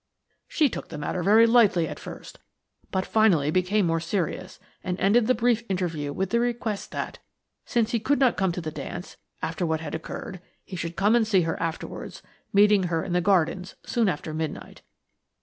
She took the matter very lightly at first, but finally became more serious, and ended the brief interview with the request that, since he could not come to the dance after what had occurred, he should come and see her afterwards, meeting her in the gardens soon after midnight.